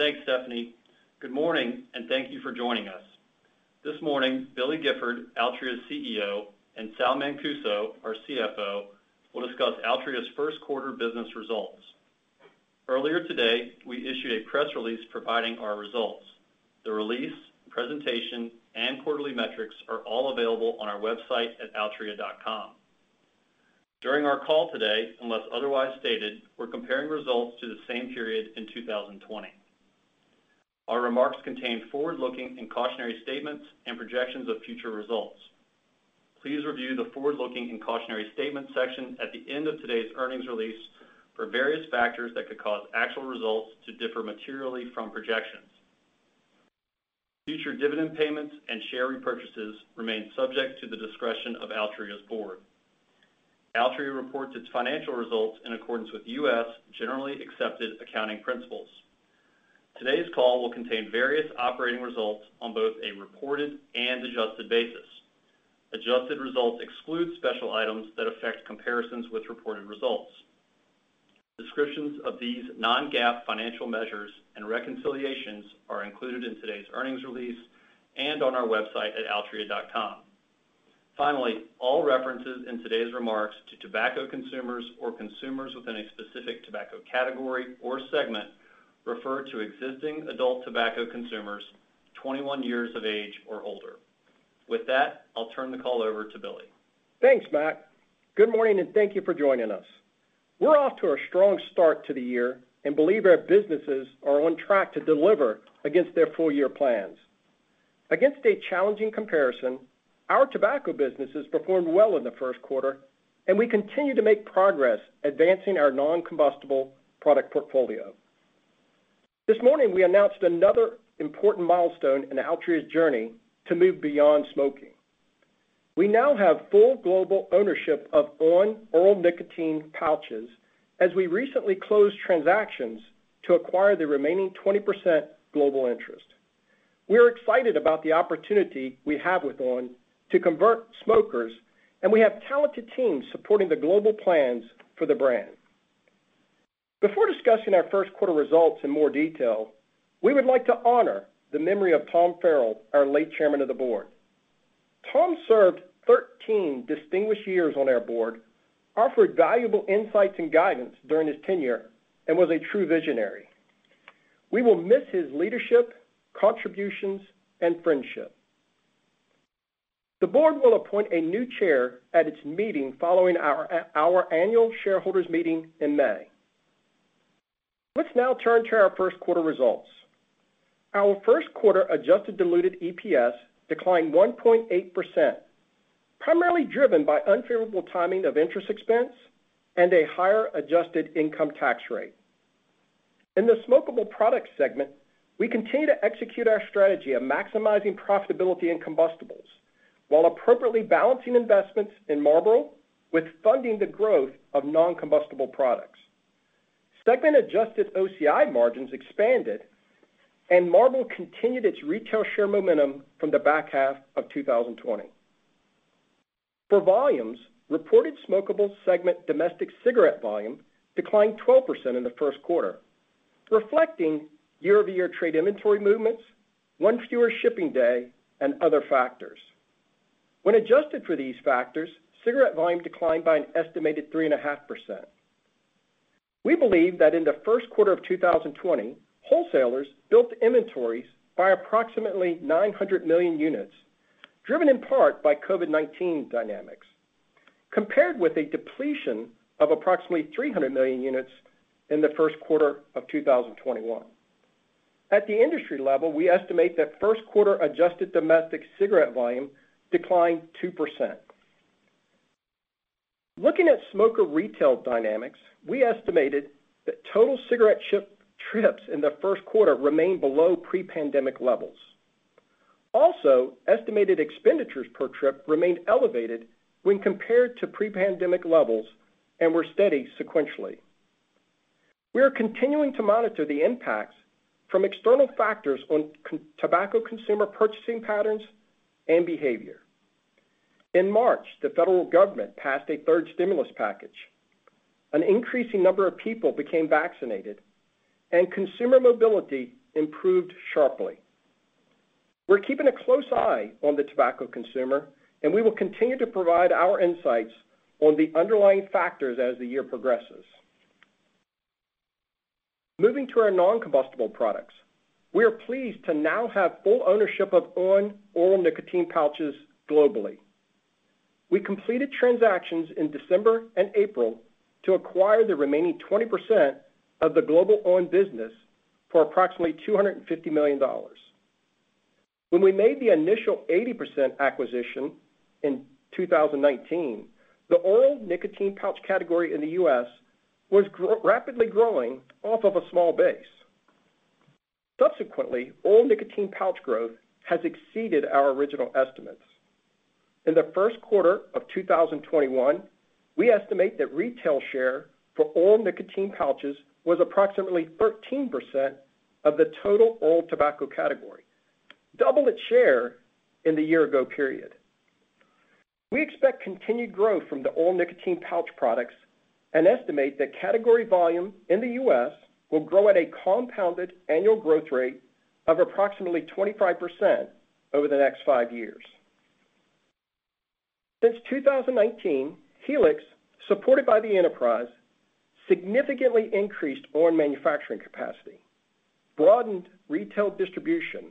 Thanks, Stephanie. Good morning, and thank you for joining us. This morning, Billy Gifford, Altria's CEO, and Sal Mancuso, our CFO, will discuss Altria's first quarter business results. Earlier today, we issued a press release providing our results. The release, presentation, and quarterly metrics are all available on our website at altria.com. During our call today, unless otherwise stated, we're comparing results to the same period in 2020. Our remarks contain forward-looking and cautionary statements and projections of future results. Please review the Forward-looking and Cautionary Statement section at the end of today's earnings release for various factors that could cause actual results to differ materially from projections. Future dividend payments and share repurchases remain subject to the discretion of Altria's board. Altria reports its financial results in accordance with U.S. generally accepted accounting principles. Today's call will contain various operating results on both a reported and adjusted basis. Adjusted results exclude special items that affect comparisons with reported results. Descriptions of these non-GAAP financial measures and reconciliations are included in today's earnings release and on our website at altria.com. Finally, all references in today's remarks to tobacco consumers or consumers within a specific tobacco category or segment refer to existing adult tobacco consumers 21 years of age or older. With that, I'll turn the call over to Billy. Thanks, Mac. Good morning, and thank you for joining us. We are off to a strong start to the year and believe our businesses are on track to deliver against their full-year plans. Against a challenging comparison, our tobacco businesses performed well in the first quarter, and we continue to make progress advancing our non-combustible product portfolio. This morning, we announced another important milestone in Altria's journey to move beyond smoking. We now have full global ownership of on! oral nicotine pouches, as we recently closed transactions to acquire the remaining 20% global interest. We are excited about the opportunity we have with on! to convert smokers, and we have talented teams supporting the global plans for the brand. Before discussing our first quarter results in more detail, we would like to honor the memory of Tom Farrell, our late Chairman of the Board. Tom served 13 distinguished years on our board, offered valuable insights and guidance during his tenure, and was a true visionary. We will miss his leadership, contributions, and friendship. The board will appoint a new chair at its meeting following our annual shareholders meeting in May. Let's now turn to our first quarter results. Our first quarter adjusted diluted EPS declined 1.8%, primarily driven by unfavorable timing of interest expense and a higher adjusted income tax rate. In the smokable product segment, we continue to execute our strategy of maximizing profitability in combustibles while appropriately balancing investments in Marlboro with funding the growth of non-combustible products. Segment adjusted OCI margins expanded, and Marlboro continued its retail share momentum from the back half of 2020. For volumes, reported smokable segment domestic cigarette volume declined 12% in the first quarter, reflecting year-over-year trade inventory movements, one fewer shipping day, and other factors. When adjusted for these factors, cigarette volume declined by an estimated 3.5%. We believe that in the first quarter of 2020, wholesalers built inventories by approximately 900 million units, driven in part by COVID-19 dynamics, compared with a depletion of approximately 300 million units in the first quarter of 2021. At the industry level, we estimate that first quarter adjusted domestic cigarette volume declined 2%. Looking at smoker retail dynamics, we estimated that total cigarette ship trips in the first quarter remained below pre-pandemic levels. Estimated expenditures per trip remained elevated when compared to pre-pandemic levels and were steady sequentially. We are continuing to monitor the impacts from external factors on tobacco consumer purchasing patterns and behavior. In March, the federal government passed a third stimulus package. An increasing number of people became vaccinated, and consumer mobility improved sharply. We're keeping a close eye on the tobacco consumer. We will continue to provide our insights on the underlying factors as the year progresses. Moving to our non-combustible products, we are pleased to now have full ownership of on! oral nicotine pouches globally. We completed transactions in December and April to acquire the remaining 20% of the global on! business for approximately $250 million. When we made the initial 80% acquisition in 2019, the oral nicotine pouch category in the U.S. was rapidly growing off of a small base. Subsequently, oral nicotine pouch growth has exceeded our original estimates. In the first quarter of 2021, we estimate that retail share for oral nicotine pouches was approximately 13% of the total oral tobacco category, double its share in the year ago period. We expect continued growth from the oral nicotine pouch products and estimate that category volume in the U.S. will grow at a compounded annual growth rate of approximately 25% over the next five years. Since 2019, Helix, supported by the enterprise, significantly increased own manufacturing capacity, broadened retail distribution,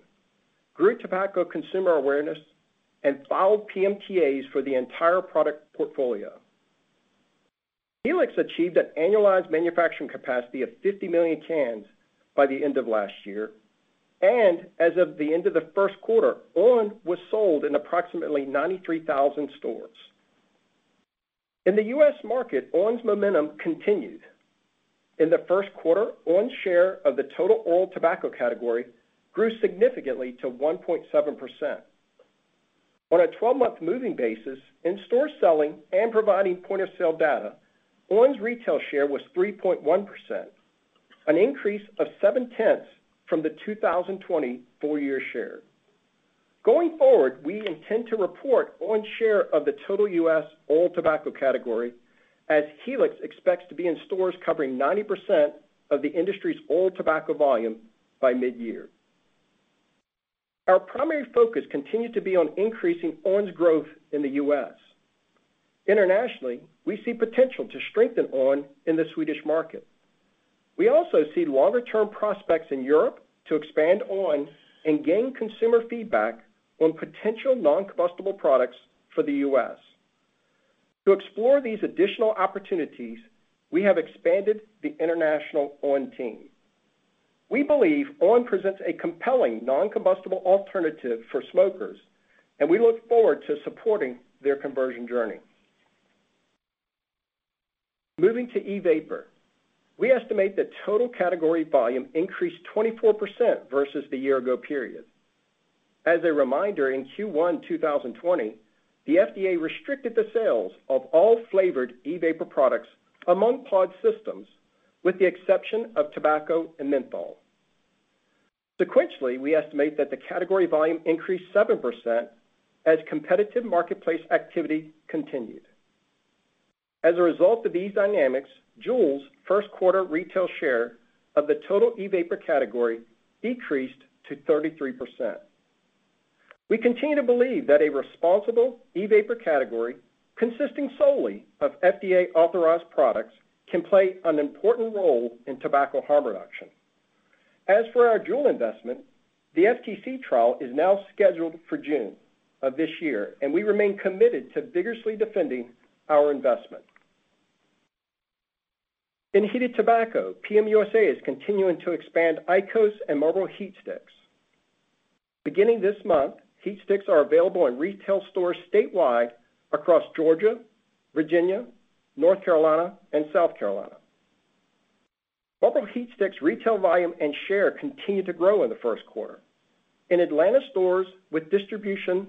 grew tobacco consumer awareness, and filed PMTAs for the entire product portfolio. Helix achieved an annualized manufacturing capacity of 50 million cans by the end of last year, and as of the end of the first quarter, on! was sold in approximately 93,000 stores. In the U.S. market, on!'s momentum continued. In the first quarter, on!'s share of the total oral tobacco category grew significantly to 1.7%. On a 12-month moving basis in store selling and providing point of sale data, on!'s retail share was 3.1%, an increase of 0.7 share points from the 2020 full year share. Going forward, we intend to report on! share of the total U.S. oral tobacco category as Helix expects to be in stores covering 90% of the industry's oral tobacco volume by mid-year. Our primary focus continued to be on increasing on!'s growth in the U.S. Internationally, we see potential to strengthen on! in the Swedish market. We also see longer-term prospects in Europe to expand on! and gain consumer feedback on potential non-combustible products for the U.S. To explore these additional opportunities, we have expanded the international on! team. We believe on! presents a compelling non-combustible alternative for smokers, and we look forward to supporting their conversion journey. Moving to e-vapor, we estimate that total category volume increased 24% versus the year ago period. As a reminder, in Q1 2020, the FDA restricted the sales of all flavored e-vapor products among pod systems, with the exception of tobacco and menthol. Sequentially, we estimate that the category volume increased 7% as competitive marketplace activity continued. As a result of these dynamics, JUUL's first quarter retail share of the total e-vapor category decreased to 33%. We continue to believe that a responsible e-vapor category consisting solely of FDA-authorized products can play an important role in tobacco harm reduction. As for our JUUL investment, the FTC trial is now scheduled for June of this year, and we remain committed to vigorously defending our investment. In heated tobacco, PM USA is continuing to expand IQOS and Marlboro HeatSticks. Beginning this month, HeatSticks are available in retail stores statewide across Georgia, Virginia, North Carolina, and South Carolina. Marlboro HeatSticks retail volume and share continued to grow in the first quarter. In Atlanta stores with distribution,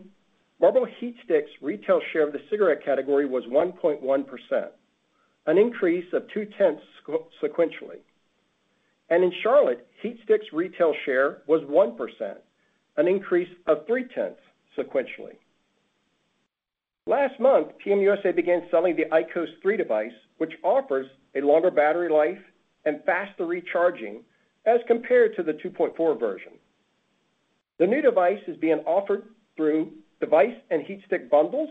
Marlboro HeatSticks retail share of the cigarette category was 1.1%, an increase of 0.2 share points sequentially. In Charlotte, HeatSticks retail share was 1%, an increase of 0.3 share points sequentially. Last month, PM USA began selling the IQOS 3 device, which offers a longer battery life and faster recharging as compared to the 2.4 version. The new device is being offered through device and HeatSticks bundles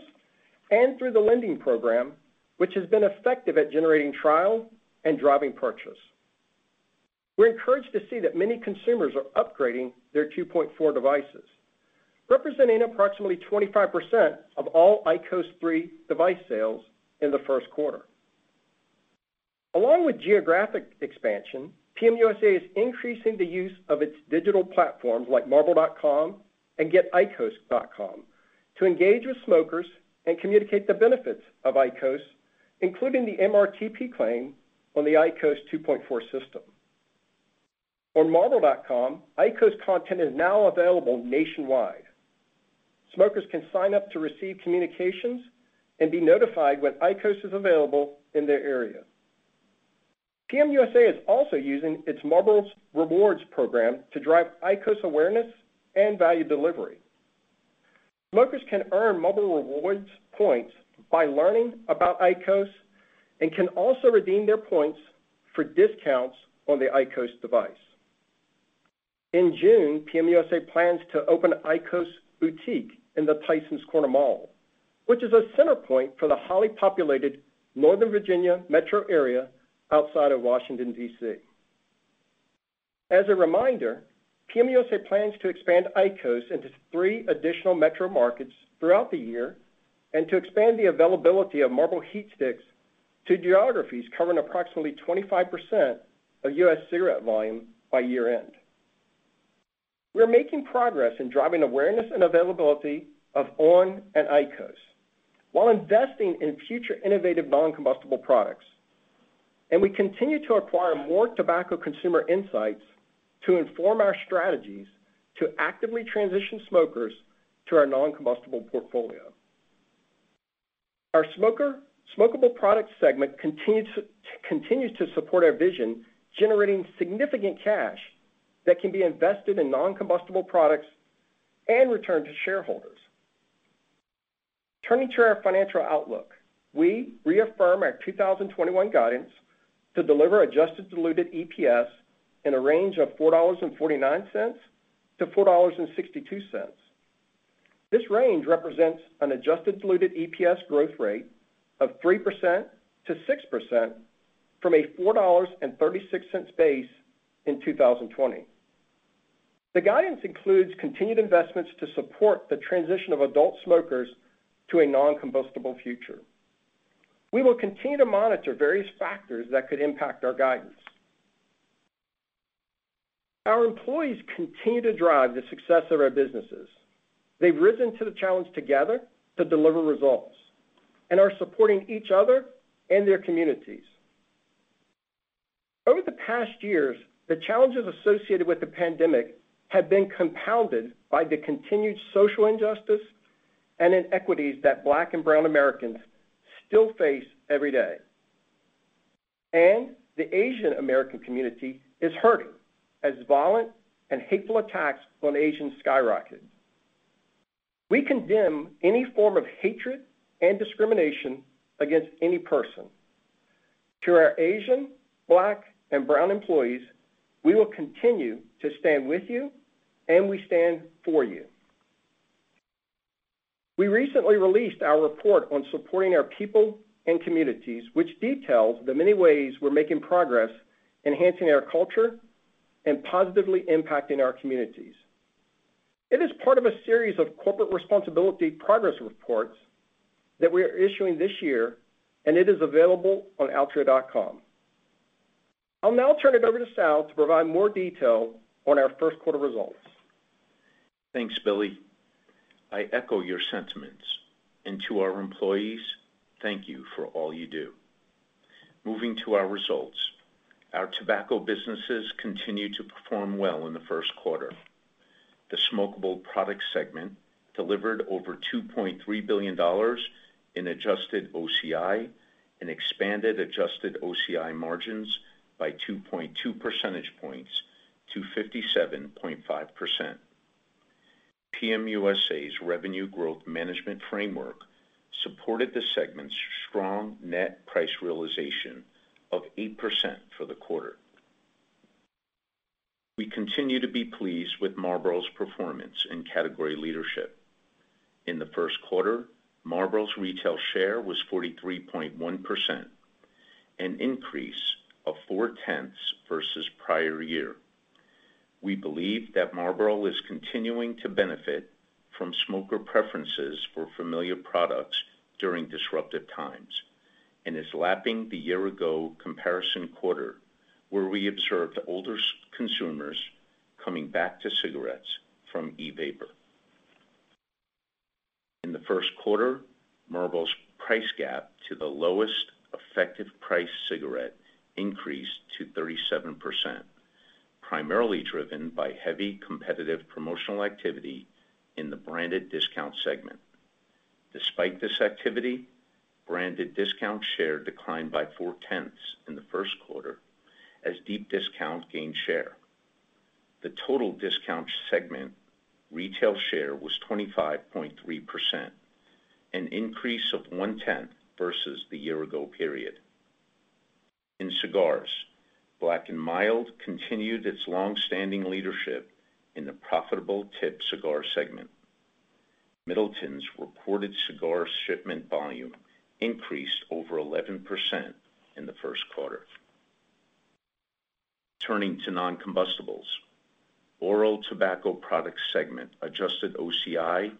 and through the lending program, which has been effective at generating trial and driving purchase. We're encouraged to see that many consumers are upgrading their 2.4 devices, representing approximately 25% of all IQOS 3 device sales in the first quarter. Along with geographic expansion, PM USA is increasing the use of its digital platforms like marlboro.com and getiqos.com to engage with smokers and communicate the benefits of IQOS, including the MRTP claim on the IQOS 2.4 system. On marlboro.com, IQOS content is now available nationwide. Smokers can sign up to receive communications and be notified when IQOS is available in their area. PM USA is also using its Marlboro Rewards program to drive IQOS awareness and value delivery. Smokers can earn Marlboro Rewards points by learning about IQOS and can also redeem their points for discounts on the IQOS device. In June, PM USA plans to open an IQOS boutique in the Tysons Corner Mall, which is a center point for the highly populated Northern Virginia metro area outside of Washington, D.C. As a reminder, PM USA plans to expand IQOS into three additional metro markets throughout the year and to expand the availability of Marlboro HeatSticks to geographies covering approximately 25% of U.S. cigarette volume by year-end. We are making progress in driving awareness and availability of on! and IQOS while investing in future innovative non-combustible products. We continue to acquire more tobacco consumer insights to inform our strategies to actively transition smokers to our non-combustible portfolio. Our smokable products segment continues to support our vision, generating significant cash that can be invested in non-combustible products and returned to shareholders. Turning to our financial outlook. We reaffirm our 2021 guidance to deliver adjusted diluted EPS in a range of $4.49-$4.62. This range represents an adjusted diluted EPS growth rate of 3%-6% from a $4.36 base in 2020. The guidance includes continued investments to support the transition of adult smokers to a non-combustible future. We will continue to monitor various factors that could impact our guidance. Our employees continue to drive the success of our businesses. They've risen to the challenge together to deliver results and are supporting each other and their communities. Over the past years, the challenges associated with the pandemic have been compounded by the continued social injustice and inequities that Black and Brown Americans still face every day. The Asian-American community is hurting as violent and hateful attacks on Asians skyrocket. We condemn any form of hatred and discrimination against any person. To our Asian, Black, and Brown employees, we will continue to stand with you, and we stand for you. We recently released our report on supporting our people and communities, which details the many ways we're making progress, enhancing our culture, and positively impacting our communities. It is part of a series of corporate responsibility progress reports that we're issuing this year, and it is available on altria.com. I'll now turn it over to Sal to provide more detail on our first quarter results. Thanks, Billy. I echo your sentiments. To our employees, thank you for all you do. Moving to our results. Our tobacco businesses continued to perform well in the first quarter. The smokable product segment delivered over $2.3 billion in adjusted OCI and expanded adjusted OCI margins by 2.2 percentage points to 57.5%. PM USA's revenue growth management framework supported the segment's strong net price realization of 8% for the quarter. We continue to be pleased with Marlboro's performance and category leadership. In the first quarter, Marlboro's retail share was 43.1%, an increase of four-tenths versus prior year. We believe that Marlboro is continuing to benefit from smoker preferences for familiar products during disruptive times and is lapping the year ago comparison quarter, where we observed older consumers coming back to cigarettes from e-vapor. In the first quarter, Marlboro's price gap to the lowest effective price cigarette increased to 37%, primarily driven by heavy competitive promotional activity in the branded discount segment. Despite this activity, branded discount share declined by 0.4 share points in the first quarter as deep discount gained share. The total discount segment retail share was 25.3%, an increase of 0.1 share points versus the year ago period. In cigars, Black & Mild continued its long-standing leadership in the profitable tipped cigar segment. Middleton's reported cigar shipment volume increased over 11% in the first quarter. Turning to non-combustibles. Oral tobacco products segment adjusted OCI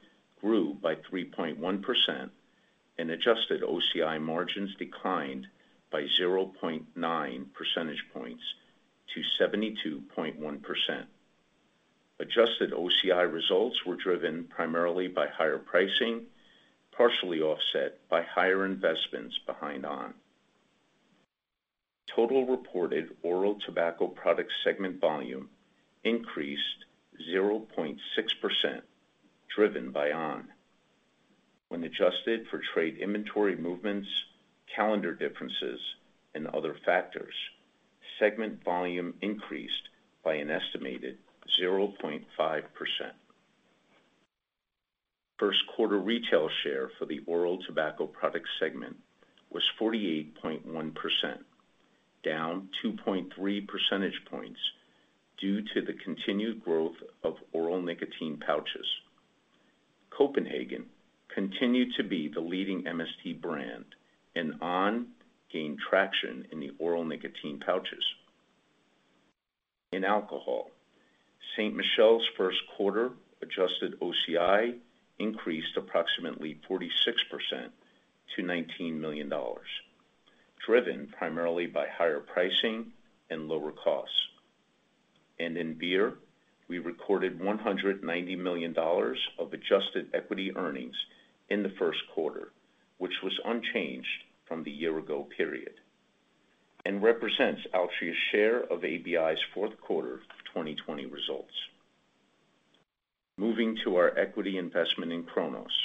grew by 3.1%, and adjusted OCI margins declined by 0.9 percentage points to 72.1%. Adjusted OCI results were driven primarily by higher pricing, partially offset by higher investments behind on!. Total reported oral tobacco product segment volume increased 0.6%, driven by on!. When adjusted for trade inventory movements, calendar differences, and other factors, segment volume increased by an estimated 0.5%. First quarter retail share for the oral tobacco product segment was 48.1%, down 2.3 percentage points due to the continued growth of oral nicotine pouches. Copenhagen continued to be the leading MST brand, and on! gained traction in the oral nicotine pouches. In alcohol, Ste. Michelle's first quarter adjusted OCI increased approximately 46% to $19 million, driven primarily by higher pricing and lower costs. In beer, we recorded $190 million of adjusted equity earnings in the first quarter, which was unchanged from the year ago period and represents Altria's share of ABI's fourth quarter of 2020 results. Moving to our equity investment in Cronos.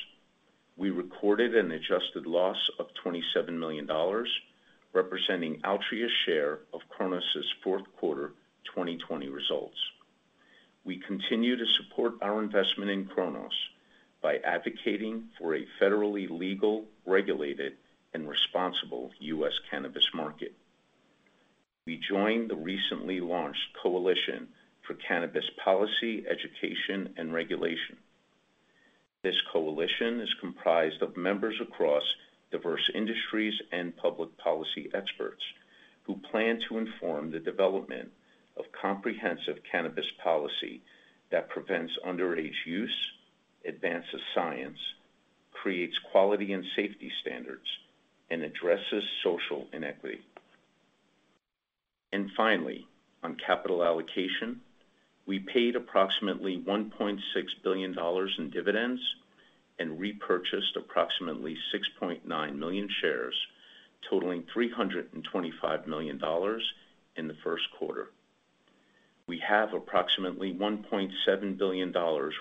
We recorded an adjusted loss of $27 million, representing Altria's share of Cronos' fourth quarter 2020 results. We continue to support our investment in Cronos by advocating for a federally legal, regulated, and responsible U.S. cannabis market. We joined the recently launched Coalition for Cannabis Policy, Education, and Regulation. This coalition is comprised of members across diverse industries and public policy experts who plan to inform the development of comprehensive cannabis policy that prevents underage use, advances science, creates quality and safety standards, and addresses social inequity. Finally, on capital allocation, we paid approximately $1.6 billion in dividends and repurchased approximately 6.9 million shares, totaling $325 million in the first quarter. We have approximately $1.7 billion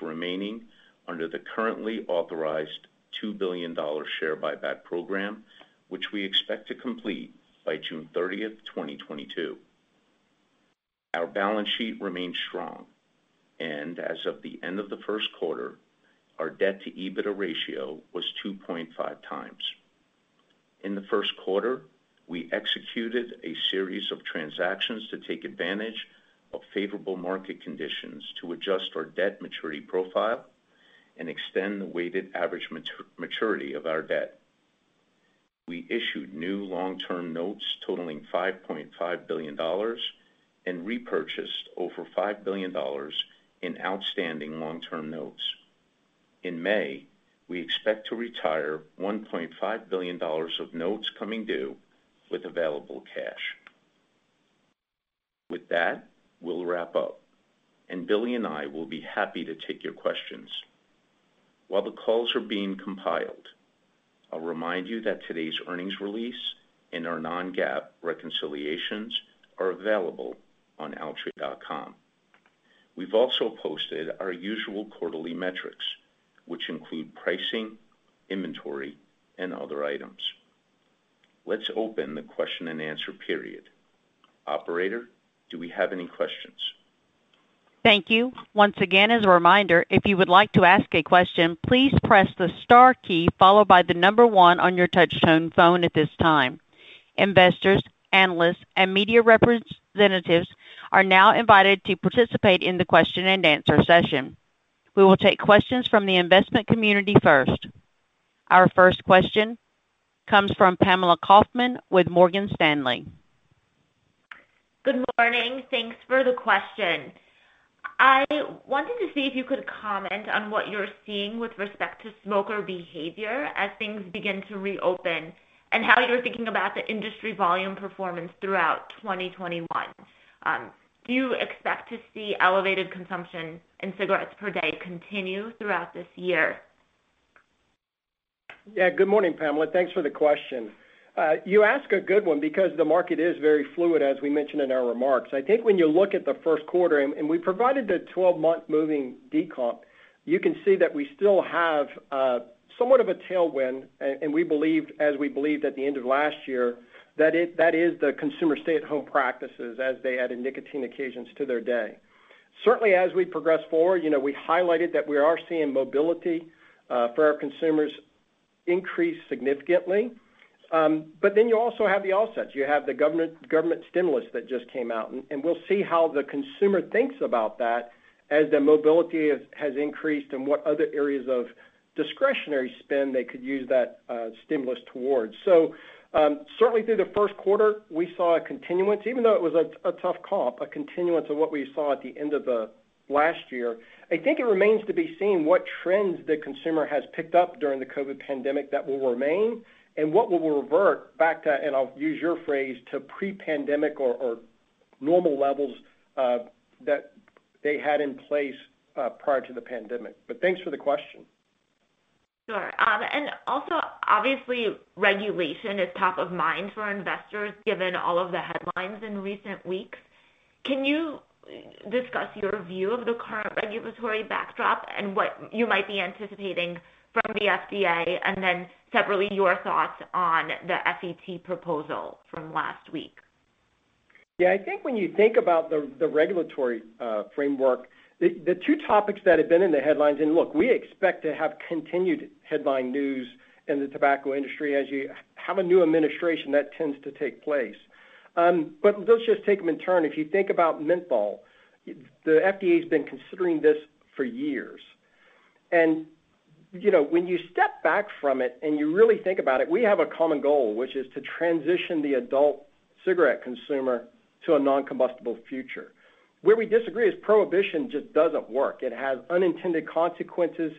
remaining under the currently authorized $2 billion share buyback program, which we expect to complete by June 30th, 2022. Our balance sheet remains strong. As of the end of the first quarter, our debt-to-EBITDA ratio was 2.5x. In the first quarter, we executed a series of transactions to take advantage of favorable market conditions to adjust our debt maturity profile and extend the weighted average maturity of our debt. We issued new long-term notes totaling $5.5 billion and repurchased over $5 billion in outstanding long-term notes. In May, we expect to retire $1.5 billion of notes coming due with available cash. With that, we'll wrap up, and Billy and I will be happy to take your questions. While the calls are being compiled, I'll remind you that today's earnings release and our non-GAAP reconciliations are available on altria.com. We've also posted our usual quarterly metrics, which include pricing, inventory, and other items. Let's open the question and answer period. Operator, do we have any questions? Thank you. Once again, as a reminder, if you would like to ask a question, please press the star key followed by the number one on your touchtone phone at this time. Investors, analysts, and media representatives are now invited to participate in the question and answer session. We will take questions from the investment community first. Our first question comes from Pamela Kaufman with Morgan Stanley. Good morning. Thanks for the question. I wanted to see if you could comment on what you're seeing with respect to smoker behavior as things begin to reopen, and how you're thinking about the industry volume performance throughout 2021. Do you expect to see elevated consumption in cigarettes per day continue throughout this year? Good morning, Pamela. Thanks for the question. You ask a good one because the market is very fluid, as we mentioned in our remarks. I think when you look at the first quarter, and we provided the 12-month moving decomp, you can see that we still have somewhat of a tailwind. We believed, as we believed at the end of last year, that is the consumer stay-at-home practices as they added nicotine occasions to their day. Certainly, as we progress forward, we highlighted that we are seeing mobility for our consumers increase significantly. You also have the offsets. You have the government stimulus that just came out, and we'll see how the consumer thinks about that as the mobility has increased and what other areas of discretionary spend they could use that stimulus towards. Certainly, through the first quarter, we saw a continuance. Even though it was a tough comp, a continuance of what we saw at the end of last year. I think it remains to be seen what trends the consumer has picked up during the COVID pandemic that will remain and what will revert back to, and I'll use your phrase, to pre-pandemic or normal levels that they had in place prior to the pandemic. Thanks for the question. Sure. Also, obviously, regulation is top of mind for investors, given all of the headlines in recent weeks. Can you discuss your view of the current regulatory backdrop and what you might be anticipating from the FDA, and then separately, your thoughts on the FET proposal from last week? Yeah. I think when you think about the regulatory framework, the two topics that have been in the headlines. Look, we expect to have continued headline news in the tobacco industry. As you have a new administration, that tends to take place. Let's just take them in turn. If you think about menthol, the FDA's been considering this for years. When you step back from it and you really think about it, we have a common goal, which is to transition the adult cigarette consumer to a non-combustible future. Where we disagree is prohibition just doesn't work. It has unintended consequences.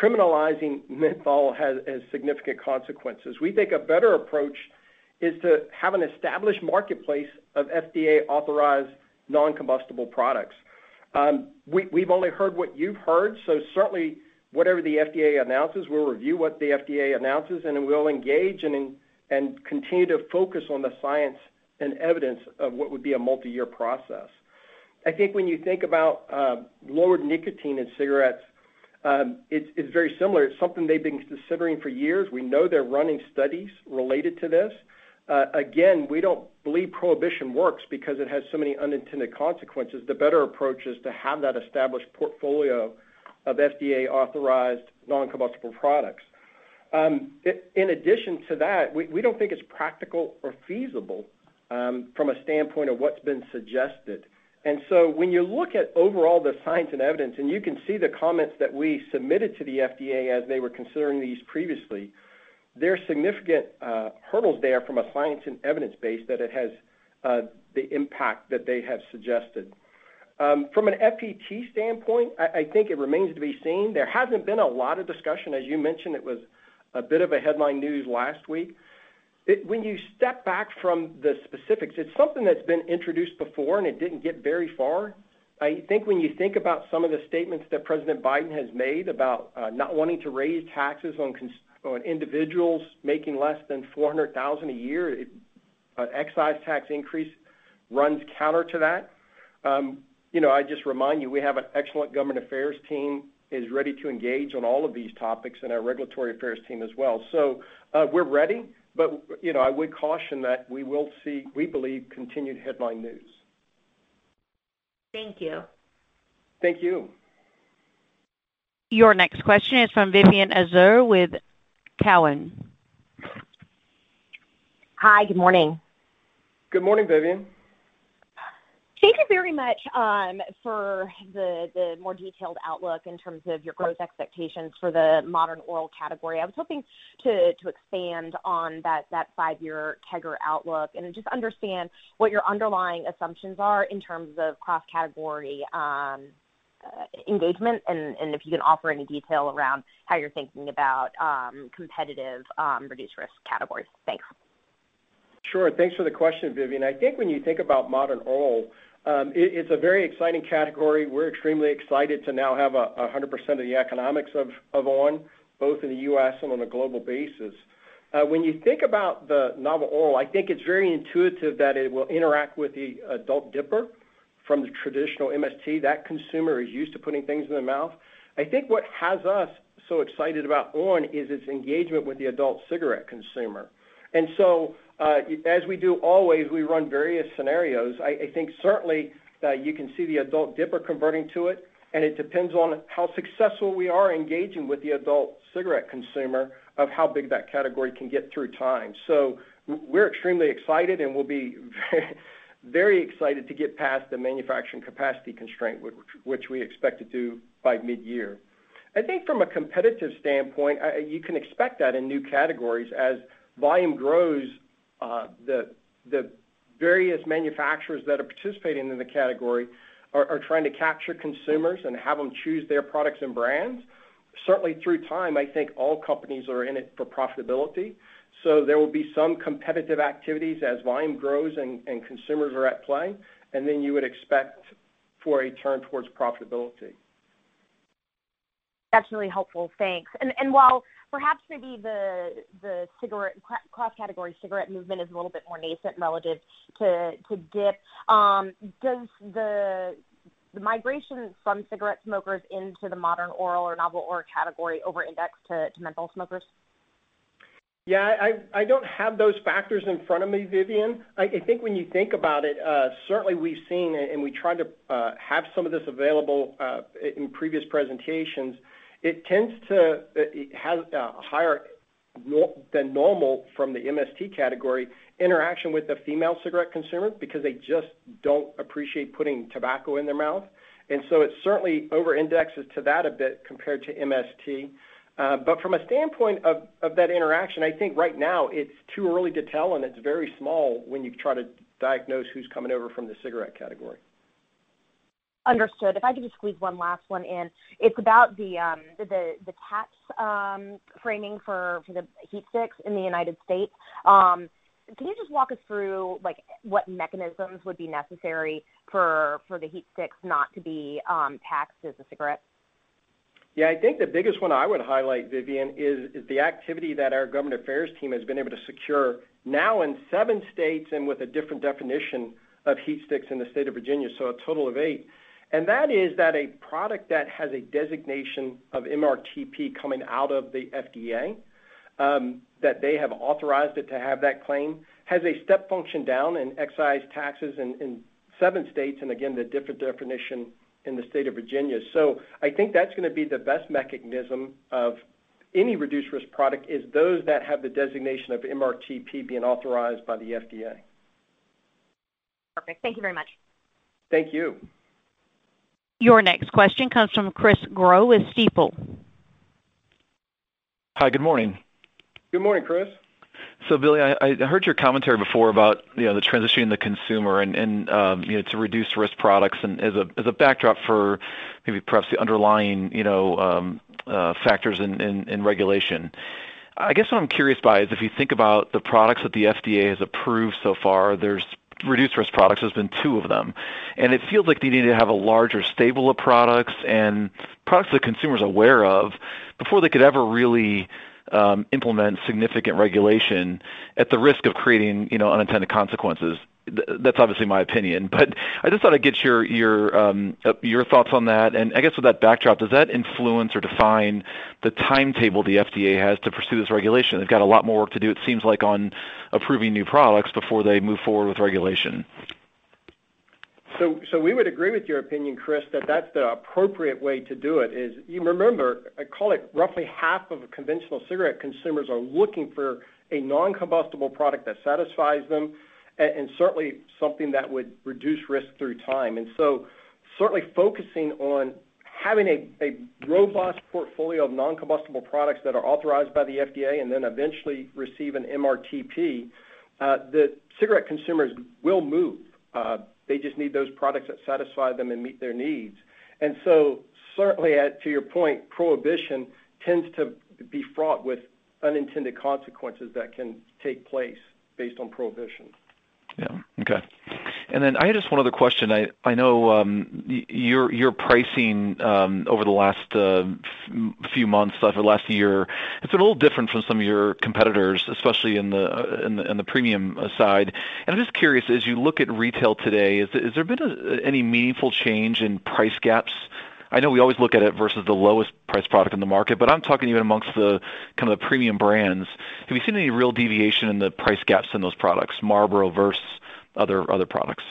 Criminalizing menthol has significant consequences. We think a better approach is to have an established marketplace of FDA-authorized non-combustible products. We've only heard what you've heard, so certainly, whatever the FDA announces, we'll review what the FDA announces, and then we'll engage and continue to focus on the science and evidence of what would be a multi-year process. I think when you think about lowered nicotine in cigarettes, it's very similar. It's something they've been considering for years. We know they're running studies related to this. Again, we don't believe prohibition works because it has so many unintended consequences. The better approach is to have that established portfolio of FDA-authorized non-combustible products. In addition to that, we don't think it's practical or feasible from a standpoint of what's been suggested. When you look at overall the science and evidence, and you can see the comments that we submitted to the FDA as they were considering these previously, there are significant hurdles there from a science and evidence base that it has the impact that they have suggested. From an FET standpoint, I think it remains to be seen. There hasn't been a lot of discussion. As you mentioned, it was a bit of a headline news last week. When you step back from the specifics, it's something that's been introduced before, and it didn't get very far. I think when you think about some of the statements that President Biden has made about not wanting to raise taxes on individuals making less than 400,000 a year, an excise tax increase runs counter to that. I just remind you, we have an excellent government affairs team is ready to engage on all of these topics and our regulatory affairs team as well. We're ready, but I would caution that we will see, we believe, continued headline news. Thank you. Thank you. Your next question is from Vivien Azer with Cowen. Hi, good morning. Good morning, Vivien. Thank you very much for the more detailed outlook in terms of your growth expectations for the modern oral category. I was hoping to expand on that five-year CAGR outlook and just understand what your underlying assumptions are in terms of cross-category engagement and if you can offer any detail around how you're thinking about competitive reduced risk categories? Thanks. Sure. Thanks for the question, Vivien. I think when you think about modern oral, it's a very exciting category. We're extremely excited to now have 100% of the economics of on!, both in the U.S. and on a global basis. When you think about the novel oral, I think it's very intuitive that it will interact with the adult dipper from the traditional MST. That consumer is used to putting things in their mouth. I think what has us so excited about on! is its engagement with the adult cigarette consumer. As we do always, we run various scenarios. I think certainly that you can see the adult dipper converting to it, and it depends on how successful we are engaging with the adult cigarette consumer of how big that category can get through time. We're extremely excited, and we'll be very excited to get past the manufacturing capacity constraint, which we expect to do by mid-year. I think from a competitive standpoint, you can expect that in new categories. As volume grows, the various manufacturers that are participating in the category are trying to capture consumers and have them choose their products and brands. Certainly, through time, I think all companies are in it for profitability. There will be some competitive activities as volume grows and consumers are at play, and then you would expect for a turn towards profitability. That's really helpful. Thanks. While perhaps maybe the cigarette cross-category cigarette movement is a little bit more nascent relative to dip, does the migration from cigarette smokers into the modern oral or novel oral category over-index to menthol smokers? Yeah, I don't have those factors in front of me, Vivien. I think when you think about it, certainly we've seen, and we tried to have some of this available in previous presentations, it tends to have a higher than normal from the MST category interaction with the female cigarette consumer because they just don't appreciate putting tobacco in their mouth. It certainly over-indexes to that a bit compared to MST. From a standpoint of that interaction, I think right now it's too early to tell, and it's very small when you try to diagnose who's coming over from the cigarette category. Understood. If I could just squeeze one last one in. It's about the tax framing for the HeatSticks in the United States. Can you just walk us through what mechanisms would be necessary for the HeatSticks not to be taxed as a cigarette? I think the biggest one I would highlight, Vivien, is the activity that our government affairs team has been able to secure now in seven states and with a different definition of HeatSticks in the state of Virginia, so a total of eight, and that is that a product that has a designation of MRTP coming out of the FDA, that they have authorized it to have that claim, has a step function down in excise taxes in seven states, and again, the different definition in the state of Virginia. I think that's going to be the best mechanism of any reduced risk product is those that have the designation of MRTP being authorized by the FDA. Perfect. Thank you very much. Thank you. Your next question comes from Chris Growe with Stifel. Hi, good morning. Good morning, Chris. Billy, I heard your commentary before about the transitioning the consumer and to reduce risk products and as a backdrop for maybe perhaps the underlying factors in regulation. I guess what I'm curious by is if you think about the products that the FDA has approved so far, there's reduced-risk products, there's been two of them. It feels like they need to have a larger stable of products and products that consumers are aware of before they could ever really implement significant regulation at the risk of creating unintended consequences. That's obviously my opinion, but I just thought I'd get your thoughts on that. I guess with that backdrop, does that influence or define the timetable the FDA has to pursue this regulation? They've got a lot more work to do, it seems like, on approving new products before they move forward with regulation. We would agree with your opinion, Chris, that that's the appropriate way to do it is Remember, I call it roughly half of conventional cigarette consumers are looking for a non-combustible product that satisfies them, and certainly something that would reduce risk through time. Certainly focusing on having a robust portfolio of non-combustible products that are authorized by the FDA and then eventually receive an MRTP, the cigarette consumers will move. They just need those products that satisfy them and meet their needs. Certainly, to your point, prohibition tends to be fraught with unintended consequences that can take place based on prohibition. Yeah. Okay. I had just one other question. I know your pricing over the last few months, over the last year, it's a little different from some of your competitors, especially in the premium side. I'm just curious, as you look at retail today, has there been any meaningful change in price gaps? I know we always look at it versus the lowest priced product in the market, but I'm talking even amongst the premium brands. Have you seen any real deviation in the price gaps in those products, Marlboro versus other products?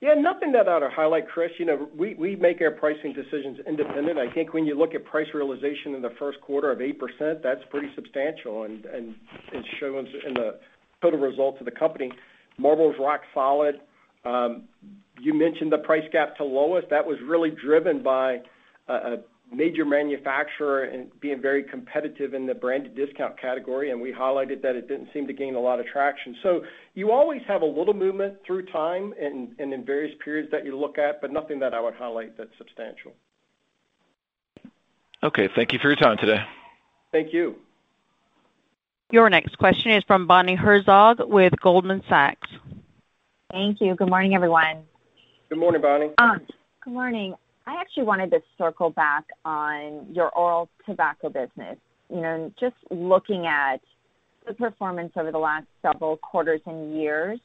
Yeah, nothing that I'd highlight, Chris. We make our pricing decisions independent. I think when you look at price realization in the first quarter of 8%, that's pretty substantial, and it shows in the total results of the company. Marlboro's rock solid. You mentioned the price gap to lowest. That was really driven by a major manufacturer and being very competitive in the branded discount category, and we highlighted that it didn't seem to gain a lot of traction. You always have a little movement through time and in various periods that you look at, but nothing that I would highlight that's substantial. Okay. Thank you for your time today. Thank you. Your next question is from Bonnie Herzog with Goldman Sachs. Thank you. Good morning, everyone. Good morning, Bonnie. Good morning. I actually wanted to circle back on your oral tobacco business. Just looking at the performance over the last several quarters and years,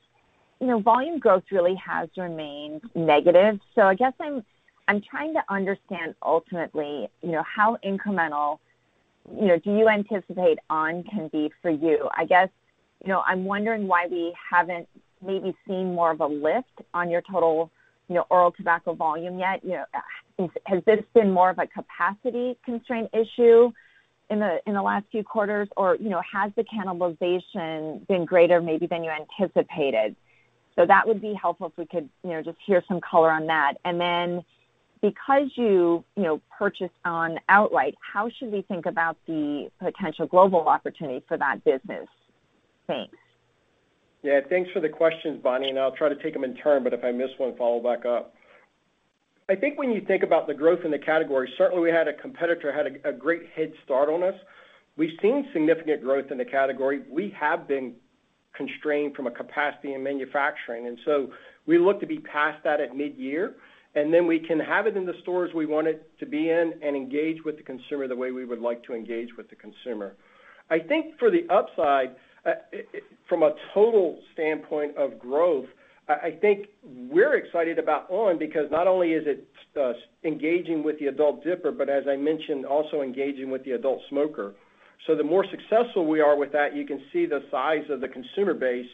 volume growth really has remained negative. I guess I'm trying to understand, ultimately, how incremental do you anticipate on! can be for you? I guess, I'm wondering why we haven't maybe seen more of a lift on your total oral tobacco volume yet. Has this been more of a capacity constraint issue in the last few quarters, or has the cannibalization been greater maybe than you anticipated? That would be helpful if we could just hear some color on that. Because you purchased on! outright, how should we think about the potential global opportunity for that business? Thanks. Yeah. Thanks for the questions, Bonnie, and I'll try to take them in turn, but if I miss one, follow back up. I think when you think about the growth in the category, certainly we had a competitor who had a great head start on us. We've seen significant growth in the category. We have been constrained from a capacity and manufacturing, and so we look to be past that at midyear, and then we can have it in the stores we want it to be in and engage with the consumer the way we would like to engage with the consumer. I think for the upside, from a total standpoint of growth, I think we're excited about on! because not only is it engaging with the adult dipper, but as I mentioned, also engaging with the adult smoker. The more successful we are with that, you can see the size of the consumer base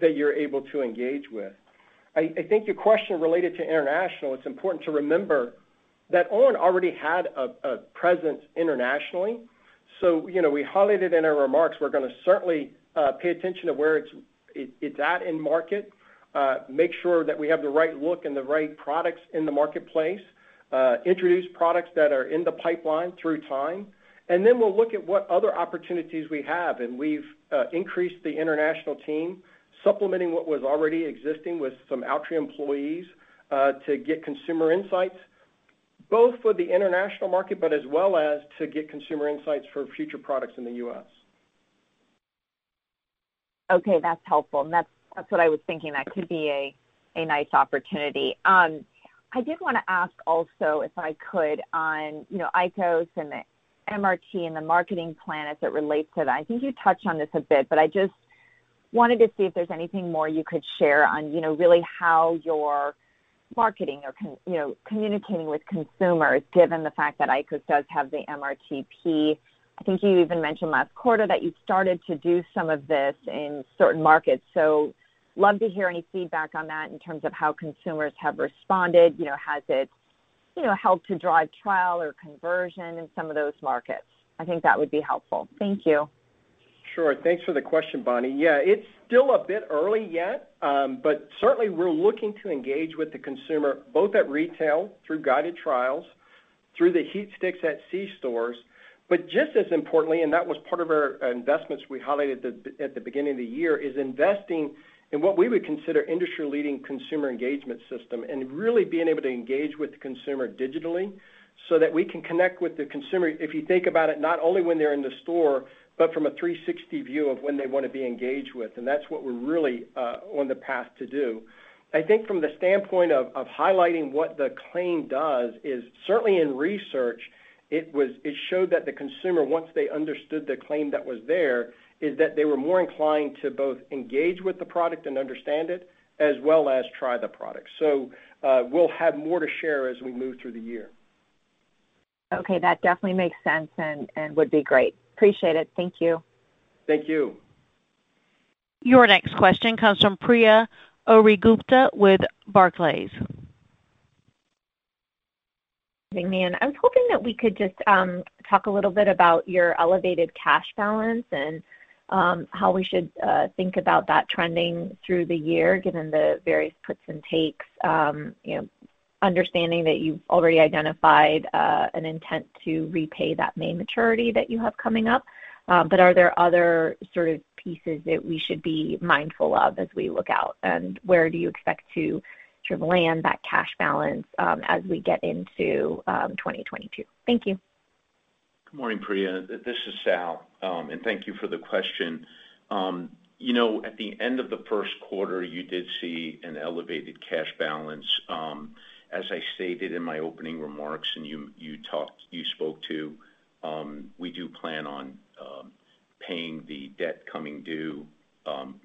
that you're able to engage with. I think your question related to international, it's important to remember that on! already had a presence internationally. We highlighted in our remarks, we're going to certainly pay attention to where it's at in market, make sure that we have the right look and the right products in the marketplace, introduce products that are in the pipeline through time, and then we'll look at what other opportunities we have. We've increased the international team, supplementing what was already existing with some Altria employees, to get consumer insights, both for the international market, but as well as to get consumer insights for future products in the U.S. Okay, that's helpful, and that's what I was thinking. That could be a nice opportunity. I did want to ask also if I could on IQOS and the MRTP and the marketing plan as it relates to that. I think you touched on this a bit, but I just wanted to see if there's anything more you could share on really how you're marketing or communicating with consumers, given the fact that IQOS does have the MRTP. I think you even mentioned last quarter that you started to do some of this in certain markets. Love to hear any feedback on that in terms of how consumers have responded. Has it helped to drive trial or conversion in some of those markets? I think that would be helpful. Thank you. Thanks for the question, Bonnie. It's still a bit early yet. Certainly, we're looking to engage with the consumer, both at retail through guided trials, through the HeatSticks at c-stores. Just as importantly, and that was part of our investments we highlighted at the beginning of the year, is investing in what we would consider industry-leading consumer engagement system and really being able to engage with the consumer digitally so that we can connect with the consumer, if you think about it, not only when they're in the store, but from a 360 view of when they want to be engaged with. That's what we're really on the path to do. I think from the standpoint of highlighting what the claim does is certainly in research, it showed that the consumer, once they understood the claim that was there, is that they were more inclined to both engage with the product and understand it, as well as try the product. We'll have more to share as we move through the year. Okay. That definitely makes sense and would be great. Appreciate it. Thank you. Thank you. Your next question comes from Priya Ohri-Gupta with Barclays. Thanks for letting me in. I was hoping that we could just talk a little bit about your elevated cash balance and how we should think about that trending through the year, given the various puts and takes. Understanding that you've already identified an intent to repay that main maturity that you have coming up, but are there other sort of pieces that we should be mindful of as we look out? Where do you expect to land that cash balance as we get into 2022? Thank you. Good morning, Priya. This is Sal, and thank you for the question. At the end of the first quarter, you did see an elevated cash balance. As I stated in my opening remarks, and you spoke to, we do plan on paying the debt coming due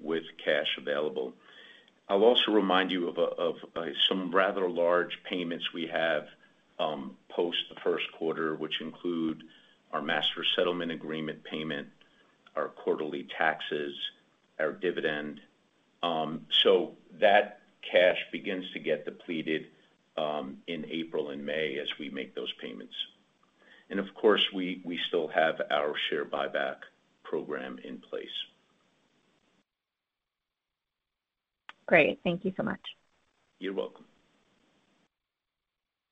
with cash available. I'll also remind you of some rather large payments we have post the first quarter, which include our Master Settlement Agreement payment, our quarterly taxes, our dividend. That cash begins to get depleted in April and May as we make those payments. Of course, we still have our share buyback program in place. Great. Thank you so much. You're welcome.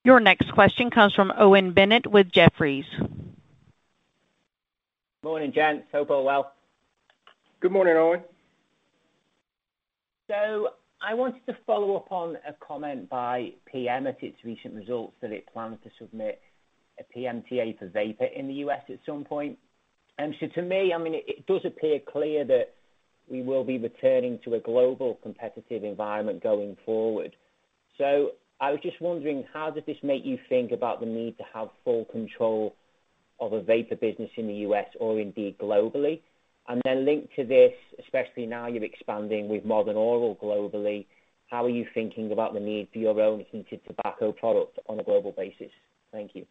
Your next question comes from Owen Bennett with Jefferies. Morning, gents. Hope all well. Good morning, Owen. I wanted to follow up on a comment by PM at its recent results that it planned to submit a PMTA for vapor in the U.S. at some point. To me, it does appear clear that we will be returning to a global competitive environment going forward. I was just wondering, how does this make you think about the need to have full control of a vapor business in the U.S. or indeed globally? Linked to this, especially now you're expanding with modern oral globally, how are you thinking about the need for your own heated tobacco product on a global basis? Thank you.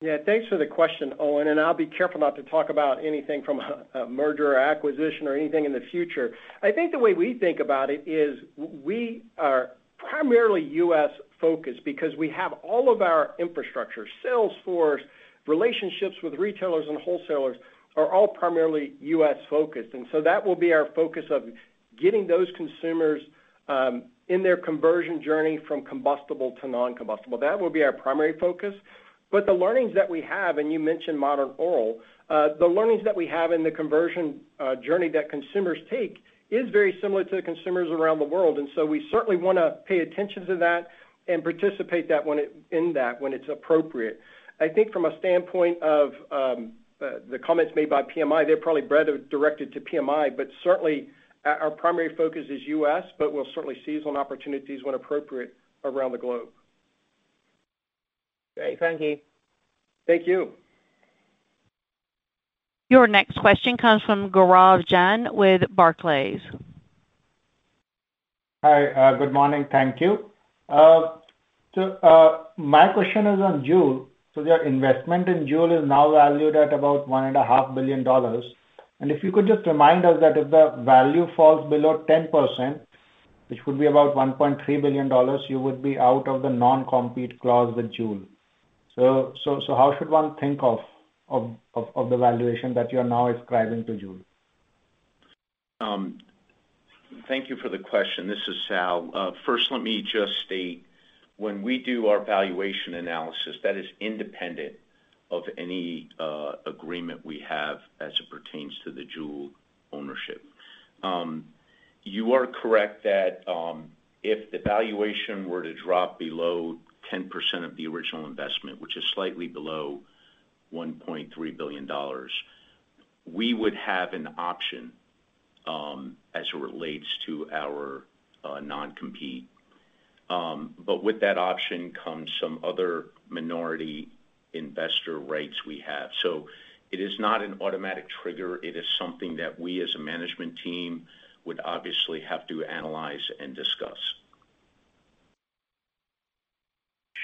Yeah. Thanks for the question, Owen. I'll be careful not to talk about anything from a merger or acquisition or anything in the future. I think the way we think about it is we are primarily U.S.-focused because we have all of our infrastructure, sales force, relationships with retailers and wholesalers, are all primarily U.S.-focused. That will be our focus of getting those consumers in their conversion journey from combustible to non-combustible. That will be our primary focus. The learnings that we have, and you mentioned modern oral, the learnings that we have in the conversion journey that consumers take is very similar to the consumers around the world. We certainly want to pay attention to that and participate in that when it's appropriate. I think from a standpoint of the comments made by PMI, they're probably better directed to PMI, but certainly our primary focus is U.S., but we'll certainly seize on opportunities when appropriate around the globe. Great. Thank you. Thank you. Your next question comes from Gaurav Jain with Barclays. Hi. Good morning. Thank you. My question is on JUUL. Your investment in JUUL is now valued at about $1.5 billion. If you could just remind us that if the value falls below 10%, which would be about $1.3 billion, you would be out of the non-compete clause with JUUL. How should one think of the valuation that you're now ascribing to JUUL? Thank you for the question. This is Sal. First, let me just state, when we do our valuation analysis, that is independent of any agreement we have as it pertains to the JUUL ownership. You are correct that if the valuation were to drop below 10% of the original investment, which is slightly below $1.3 billion, we would have an option as it relates to our non-compete. With that option comes some other minority investor rights we have. It is not an automatic trigger. It is something that we, as a management team, would obviously have to analyze and discuss.